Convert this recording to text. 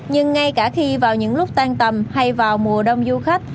nhưng ngay cả khi vào những lúc tan tầm hay vào mùa đông du khách